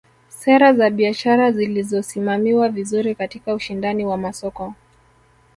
Sera za biashara zisizosimamiwa vizuri katika ushindani wa masoko